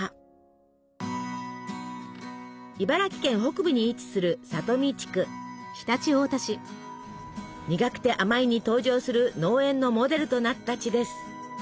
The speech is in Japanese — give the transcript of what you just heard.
茨城県北部に位置する「にがくてあまい」に登場する農園のモデルとなった地です。